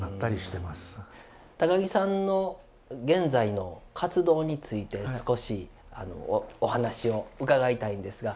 高木さんの現在の活動について少しお話を伺いたいんですが。